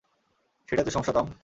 সেটাই তো সমস্যা, টম!